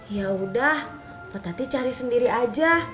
yaudah po tati cari sendiri aja